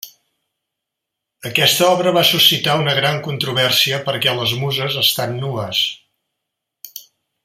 Aquesta obra va suscitar una gran controvèrsia perquè les muses estan nues.